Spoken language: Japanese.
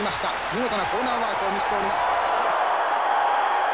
見事なコーナーワークを見せております。